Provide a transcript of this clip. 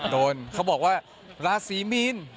โดนเขาบอกว่าราศีมีน